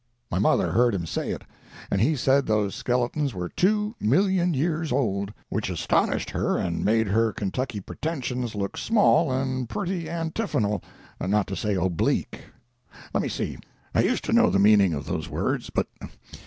My mother heard him say it; and he said those skeletons were two million years old, which astonished her and made her Kentucky pretensions look small and pretty antiphonal, not to say oblique. Let me see. ... I used to know the meaning of those words, but